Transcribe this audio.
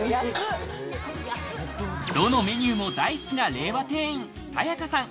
どのメニューも大好きな令和店員、咲也佳さん。